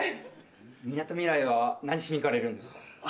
みなとみらいは何しに行かれるんですか？